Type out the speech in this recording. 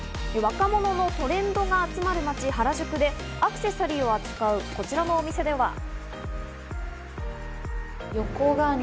若者のトレンドが集まる街・原宿でアクセサリーを扱うこちらのお店では。